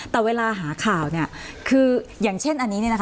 แต่เวลาหาข่าวเนี่ย